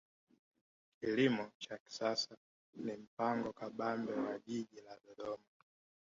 kilimo cha kisasa ni mpango kabambe wa jiji la dodoma